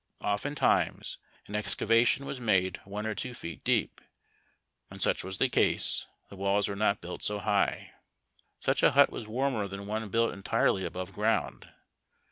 Oftentimes an excavation was made one or two feet deep. When such was the case, the walls were not built so high. Such a hut was warmer than one built entirely above ground.